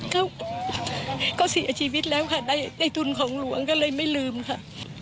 ก็เสียชีวิตแล้วค่ะในทุนของหลวงก็เลยไม่ลืมค่ะ